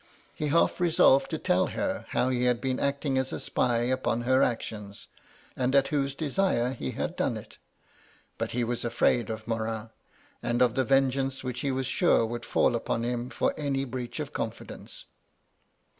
He half resolved to tell her how he had been acting as a spy upon her actions, and at whose desire he had done it But he was afiraid of Morin, and of the vengeance which he was sure would fall upon him for any breach of confidence.